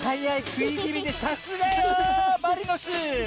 くいぎみでさすがよマリノス！